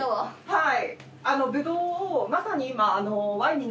はい。